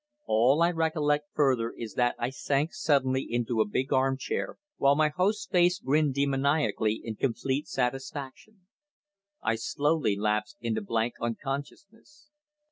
All I recollect further is that I sank suddenly into a big arm chair, while my host's face grinned demoniacally in complete satisfaction. I slowly lapsed into blank unconsciousness.